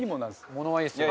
ものはいいですよね。